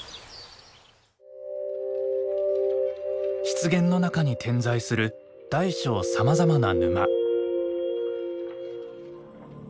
湿原の中に点在する大小さまざまな沼。